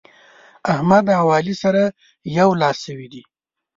احمد او علي سره يو لاس شوي دي.